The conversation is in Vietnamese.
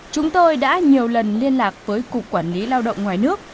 chúng tôi đã nhiều lần liên lạc với cục quản lý lao động ngoài nước